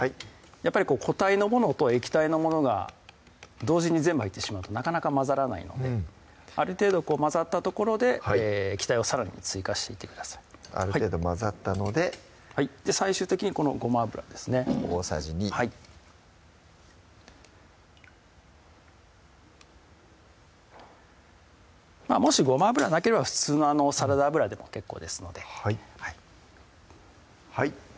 やっぱり個体のものと液体のものが同時に全部入ってしまうとなかなか混ざらないのである程度混ざったところで液体をさらに追加していってくださいある程度混ざったので最終的にこのごま油ですね大さじ２もしごま油なければ普通のサラダ油でも結構ですのではいはい